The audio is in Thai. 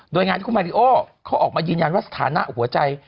โดยงานที่คุณมาริโอเขาออกมายืนยันว่าสถานะหัวใจ